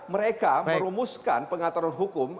mereka merumuskan pengaturan hukum